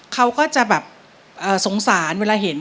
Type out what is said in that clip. เขาก็จะแบบสงสารเวลาเห็น